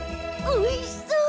おいしそう！